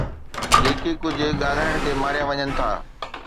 جيڪي ڪجهه ڳالهائڻ تي ماريا وڃن ٿا